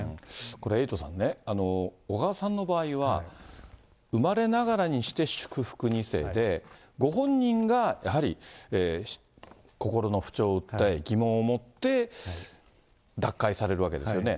これ、エイトさんね、小川さんの場合は、生まれながらにして祝福２世で、ご本人がやはり、心の不調を訴え、疑問を持って、脱会されるわけですよね。